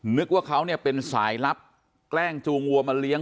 นึกถึงว่าเขาเป็นสายลับแกล้งจูงบัวมาเลี้ยง